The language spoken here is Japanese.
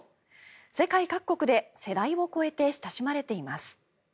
世界各国で世代を超えて親しまれています。